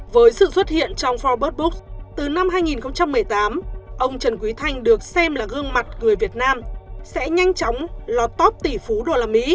với sự xuất hiện trong forbes books từ năm hai nghìn một mươi tám ông trần quý thanh được xem là gương mặt người việt nam sẽ nhanh chóng lọt top tỷ phú đô la mỹ